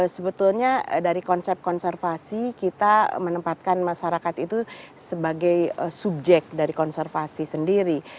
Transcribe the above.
sebetulnya dari konsep konservasi kita menempatkan masyarakat itu sebagai subjek dari konservasi sendiri